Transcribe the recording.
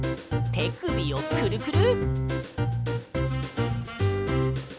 てくびをクルクル。